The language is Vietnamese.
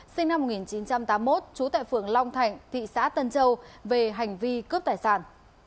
sinh năm một nghìn chín trăm tám mươi một trú tại phường long thạnh thị xã tân châu về hành vi cướp tài sản